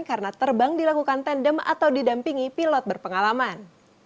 karena terbang dilakukan tandem atau didampingi pilot berpengalaman